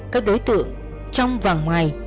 các đối tượng trong và ngoài